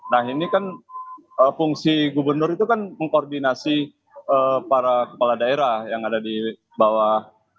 nah ini kan fungsi gubernur itu kan mengkoordinasi para kepala daerah yang ada di bawah